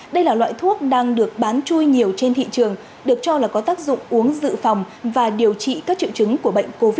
đây là loại thuốc đang được bán chui nhiều trên thị trường được cho là có tác dụng uống dự phòng và điều trị các triệu chứng của bệnh covid một mươi chín